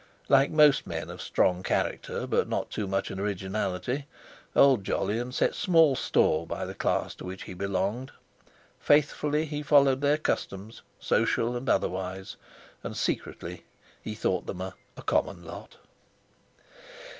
Like most men of strong character but not too much originality, old Jolyon set small store by the class to which he belonged. Faithfully he followed their customs, social and otherwise, and secretly he thought them "a common lot."